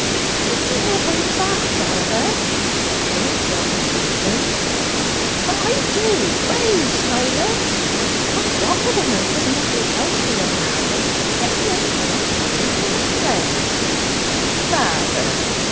"I don't know about that, father," said Dick rather stupidly. "But I do Wey, Smiler! 'Od rot the women, 'tis nothing else wi' 'em nowadays but getting young men and leading 'em astray." "Pooh, father!